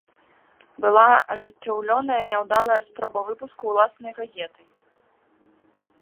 Была ажыццёўленая няўдалая спроба выпуску ўласнай газеты.